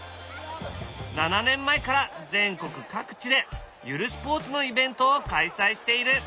７年前から全国各地でゆるスポーツのイベントを開催している。